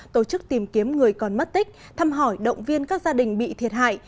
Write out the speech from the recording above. tổ chức tìm kiếm người còn mất tích thăm hỏi động viên các gia đình bị thiệt hại